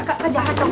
kak jangan bohong